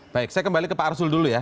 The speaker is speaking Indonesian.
baik saya kembali ke pak arsul dulu ya